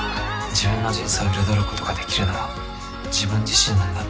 自分の人生を彩ることができるのは自分自身なんだって。